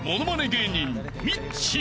芸人みっちー］